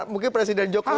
mungkin presiden jokowi